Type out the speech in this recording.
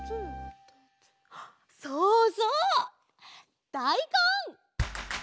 そうそうだいこん！